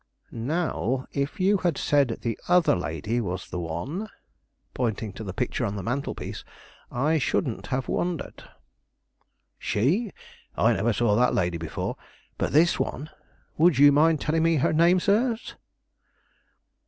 "Now, if you had said the other lady was the one" pointing to the picture on the mantel piece," I shouldn't have wondered." "She? I never saw that lady before; but this one would you mind telling me her name, sirs?"